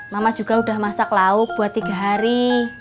mama juga udah masak lauk buat tiga hari